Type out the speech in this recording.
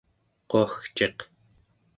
quagciq